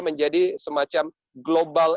menjadi semacam global